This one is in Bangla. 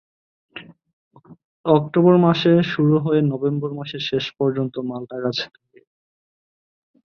অক্টোবর মাসে শুরু হয়ে নভেম্বর মাসের শেষ পর্যন্ত মাল্টা গাছে থাকে।